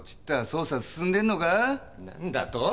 捜査進んでんのかぁ⁉何だとぉ